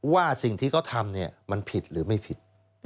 ว่าสิ่งที่เขาทำมันผิดหรือไม่ผิด